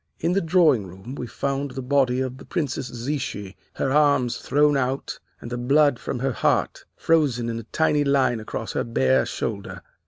In the drawing room we found the body of the Princess Zichy, her arms thrown out, and the blood from her heart frozen in a tiny line across her bare shoulder.